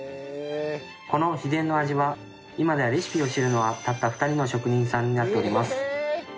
この秘伝の味は今ではレシピを知るのはたった２人の職人さんになっております。